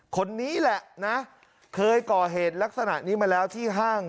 คนนี้แหละนะเคยก่อเหตุลักษณะนี้มาแล้วที่ห้าง